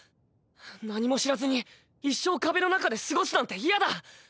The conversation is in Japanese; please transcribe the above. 何も知らずに一生壁の中で過ごすなんて嫌だ！